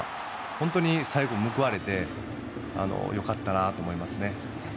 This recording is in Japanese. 本当に最後報われてよかったなと思いますね。